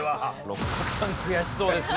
六角さん悔しそうですね。